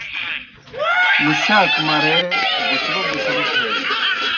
مُشاک مرے بُچڑوْ بُچڑوْ تھیگہ۔